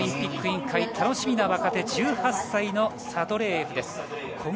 ロシアオリンピック委員会、楽しみな若手、１８歳のサドレーエフです。